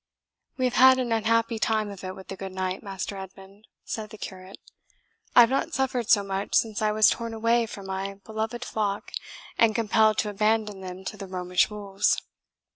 "We have had an unhappy time of it with the good knight, Master Edmund," said the curate. "I have not suffered so much since I was torn away from my beloved flock, and compelled to abandon them to the Romish wolves."